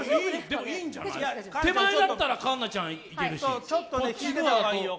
手前だったら環奈ちゃんいけるし。